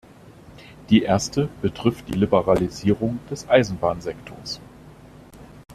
Die erste betrifft die Liberalisierung des Eisenbahnsektors.